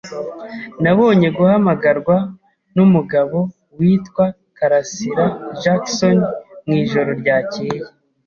Nabonye guhamagarwa numugabo witwa KarasiraJackson mwijoro ryakeye.